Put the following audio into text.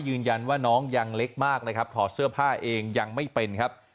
ยืนยันว่าน้องยังเล็กมากนะครับถอดเสื้อผ้าเองยังไม่เป็นครับ